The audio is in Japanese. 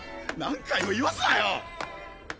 何回も言わすなよ！